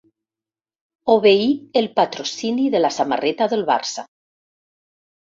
Obeir el patrocini de la samarreta del Barça.